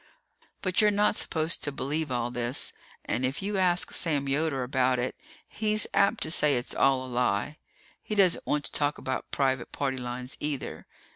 But you're not supposed to believe all this, and if you ask Sam Yoder about it, he's apt to say it's all a lie. He doesn't want to talk about private party lines, either.